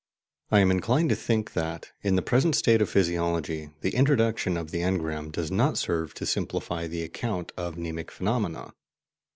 I am inclined to think that, in the present state of physiology, the introduction of the engram does not serve to simplify the account of mnemic phenomena.